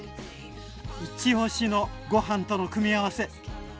いちおしのご飯との組み合わせ。